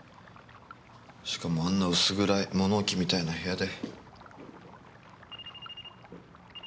しかもあんな薄暗い物置みたいな部屋で。